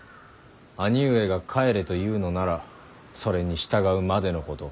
兄上が帰れと言うのならそれに従うまでのこと。